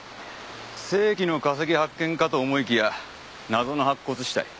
世紀の化石発見かと思いきや謎の白骨死体。